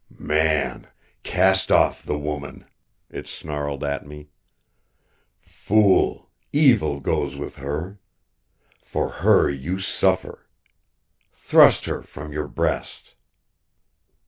"Man, cast off the woman," It snarled at me. "Fool, evil goes with her. For her you suffer. Thrust her from your breast."